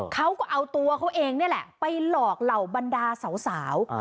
เขาก็เอาตัวเขาเองนี่แหละไปหลอกเหล่าบรรดาสาว